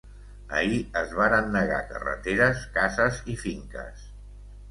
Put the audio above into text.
Ahir es varen negar carreteres, cases i finques.